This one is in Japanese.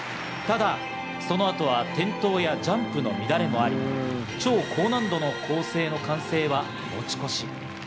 ただ、その後は転倒やジャンプの乱れもあり、超高難度の構成の完成は持ち越し。